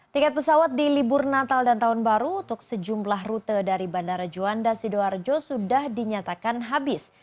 tiket pesawat di libur natal dan tahun baru untuk sejumlah rute dari bandara juanda sidoarjo sudah dinyatakan habis